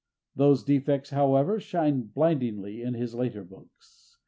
Those defects, however, shine blindingly in his later books.